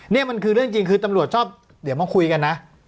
นี่มันคือเรื่องจริงคือตำรวจชอบเดี๋ยวมาคุยกันนะ